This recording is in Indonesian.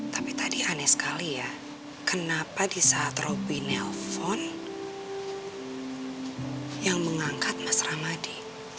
tapi tadi aneh sekali ya kenapa di saat robby nelfon yang mengangkat mas ramadi